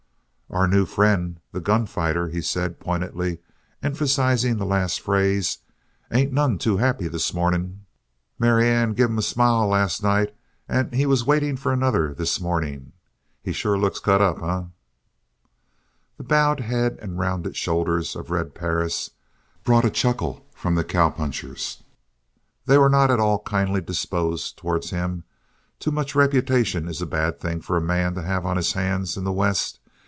"Our new friend, the gun fighter," he said, pointedly emphasizing the last phrase, "ain't none too happy this morning. Marianne give him a smile last night and he was waiting for another this morning. He sure looks cut up, eh?" The bowed head and rounded shoulders of Red Perris brought a chuckle from the cowpunchers. They were not at all kindly disposed towards him. Too much reputation is a bad thing for a man to have on his hands in the West.